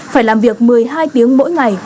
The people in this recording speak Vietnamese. phải làm việc một mươi hai tiếng mỗi ngày